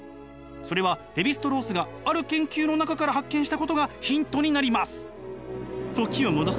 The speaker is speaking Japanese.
それはレヴィ＝ストロースがある研究の中から発見したことがヒントになります。